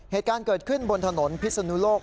เหตุการณ์เกิดขึ้นบนถนนพิศนุโลก